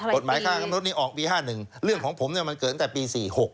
กฎหมายค่ามนุษย์นี้ออกปี๕๑เรื่องของผมมันเกิดตั้งแต่ปี๔๖